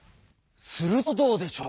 するとどうでしょう。